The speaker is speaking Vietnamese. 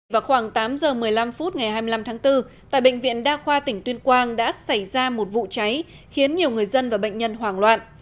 vào khoảng tám giờ một mươi năm phút ngày hai mươi năm tháng bốn tại bệnh viện đa khoa tỉnh tuyên quang đã xảy ra một vụ cháy khiến nhiều người dân và bệnh nhân hoảng loạn